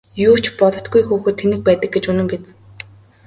Юу ч боддоггүй хүүхэд тэнэг байдаг гэж үнэн биз!